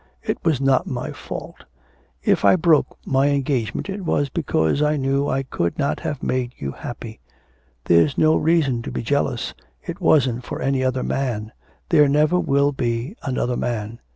It was not my fault. If I broke my engagement it was because I knew I could not have made you happy. There's no reason to be jealous, it wasn't for any other man. There never will be another man.